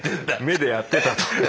目でやってたと。